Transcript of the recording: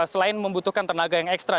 selain membutuhkan tenaga yang ekstra